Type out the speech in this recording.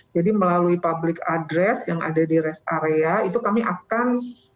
jadi melalui public address yang ada di rest area itu kami akan